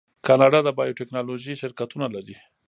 کاناډا د بایو ټیکنالوژۍ شرکتونه لري.